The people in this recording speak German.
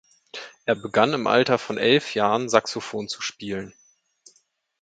Er begann im Alter von elf Jahren Saxophon zu spielen.